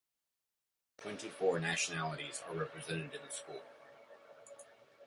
Twenty-four nationalities are represented in the school.